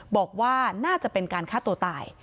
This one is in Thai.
บอกว่าน่าจะเป็นการฆ่าตัวตาย